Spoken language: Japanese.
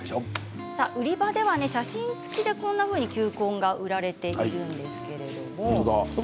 売り場では写真付きで球根が売られているんですけれど。